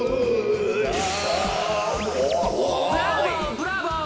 ブラボー！